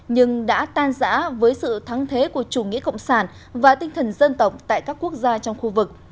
nhưng đã tan giã với sự thắng thế của chủ nghĩa cộng sản và tinh thần dân tộc tại các quốc gia trong khu vực